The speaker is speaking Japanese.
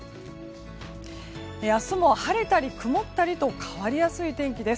明日も晴れたり曇ったりと変わりやすい天気です。